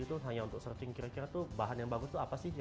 itu hanya untuk searching kira kira tuh bahan yang bagus itu apa sih